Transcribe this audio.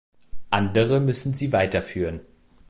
Andere müssen sie weiter führen.